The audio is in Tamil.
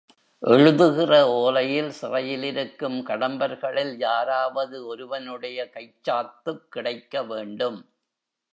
எழுதுகிற ஒலையில் சிறையிலிருக்கும் கடம்பர்களில் யாராவது ஒருவனுடைய கைச்சாத்துக் கிடைக்க வேண்டும்.